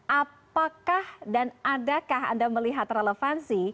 apakah dan adakah anda melihat relevansi